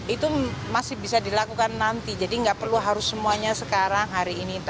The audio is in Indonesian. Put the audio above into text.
itu masih bisa dilakukan nanti jadi nggak perlu harus semuanya sekarang hari ini